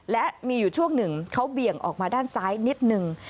และมีอยู่ช่วงหนึ่งเขาเบี่ยงออกมาด้านซ้ายนิดนึง